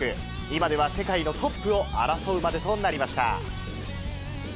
今では世界のトップを争うまでとなりました。